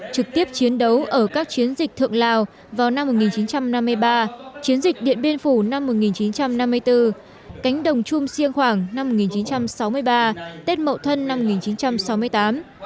trực tiếp chiến đấu ở các chiến dịch thượng lào vào năm một nghìn chín trăm năm mươi ba chiến dịch điện biên phủ năm một nghìn chín trăm năm mươi bốn cánh đồng chung siêng khoảng năm một nghìn chín trăm sáu mươi ba tết mậu thân năm một nghìn chín trăm sáu mươi tám